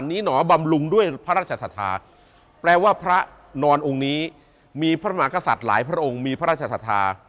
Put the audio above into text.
หนอบำรุงด้วยพระราชศรัทธาแปลว่าพระนอนองค์นี้มีพระมหากษัตริย์หลายพระองค์มีพระราชศรัทธา